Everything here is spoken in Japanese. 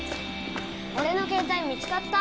俺の携帯見つかった？